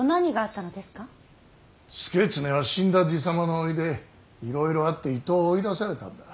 祐経は死んだ爺様の甥でいろいろあって伊東を追い出されたんだ。